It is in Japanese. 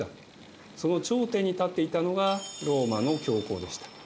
その頂点に立っていたのがローマの教皇でした。